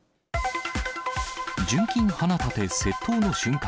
純金花立て窃盗の瞬間。